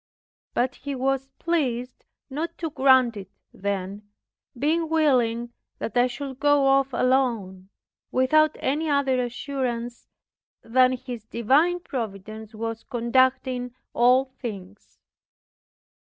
But He was pleased not to grant it then, being willing that I should go off alone without any other assurance than His divine Providence was conducting all things.